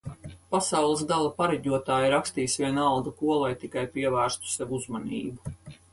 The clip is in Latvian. Pasaules gala pareģotāji rakstīs vienalga ko, lai tikai pievērstu sev uzmanību